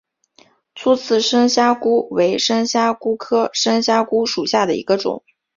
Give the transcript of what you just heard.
粗刺深虾蛄为深虾蛄科深虾蛄属下的一个种。